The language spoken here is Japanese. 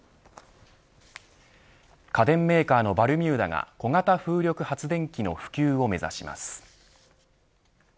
家電メーカーのバルミューダが小型風力発電機の普及を目指します。